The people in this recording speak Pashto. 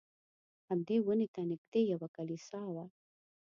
همدې ونې ته نږدې یوه کلیسا وه.